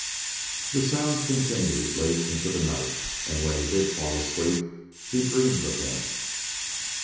The sounds continued late into the night, and when he did fall asleep he dreamed of them.